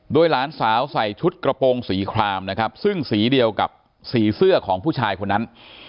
โดยหลานสาวใส่ชุดกระโปรงสีครามนะครับซึ่งสีเดียวกับสีเสื้อของผู้ชายคนนั้น